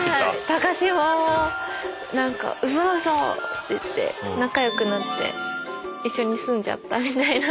「高島を奪うぞ！」っていって仲良くなって一緒に住んじゃったみたいな。